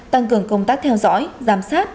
tăng cường công tác theo dõi giám sát